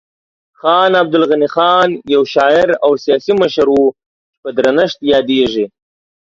خان عبدالغني خان یو شاعر او سیاسي مشر و چې په درنښت یادیږي.